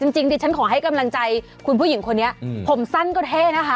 จริงดิฉันขอให้กำลังใจคุณผู้หญิงคนนี้ผมสั้นก็เท่นะคะ